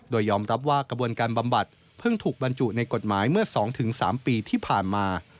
โดยยอมรับว่ากระบวนการบำบัดเพิ่งถูกบรรจุในกฎหมายเมื่อ๒๓ปีที่ผ่านมา